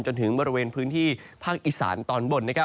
จนถึงบริเวณพื้นที่ภาคอีสานตอนบน